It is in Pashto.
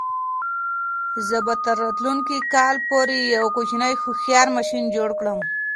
زه به تر راتلونکي کال پورې یو کوچنی هوښیار ماشین جوړ کړم.